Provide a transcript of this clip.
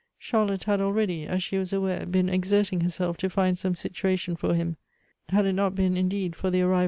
Charlotte had already, as she was aware, been exerting herself to find some situation for him ; had it not been indeed for the arriv.